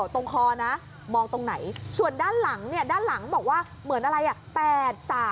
ตรงคอนะมองตรงไหนส่วนด้านหลังเนี่ยด้านหลังบอกว่าเหมือนอะไรอ่ะ